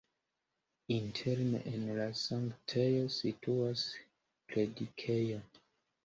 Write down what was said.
Interne en la sanktejo situas la predikejo.